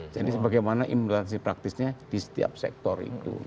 jadi bagaimana implementasi praktisnya di setiap sektor itu